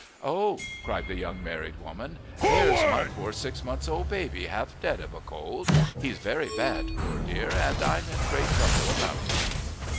"Oh," cried the young married woman, "there's my poor six months' old baby half dead of a cold; he's very bad, poor dear, and I'm in great trouble about him."